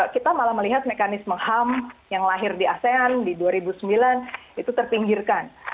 kita malah melihat mekanisme ham yang lahir di asean di dua ribu sembilan itu terpinggirkan